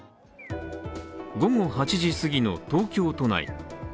午後８時すぎの東京都内。